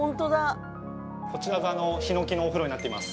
こちらが檜のお風呂になっています